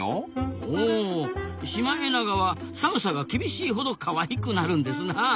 ほうシマエナガは寒さが厳しいほどかわいくなるんですなあ。